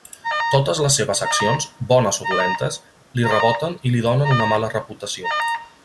Totes les seves accions, bones o dolentes, li reboten i li donen una mala reputació.